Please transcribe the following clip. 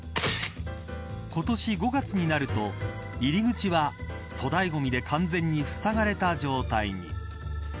今年５月になると入り口は粗大ごみで完全にふさがれた状態に。